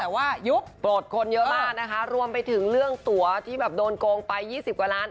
แต่ว่ายุบปลดคนเยอะมากนะคะรวมไปถึงเรื่องตัวที่แบบโดนโกงไป๒๐กว่าล้าน